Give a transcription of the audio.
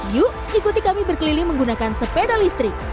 yuk ikuti kami berkeliling menggunakan sepeda listrik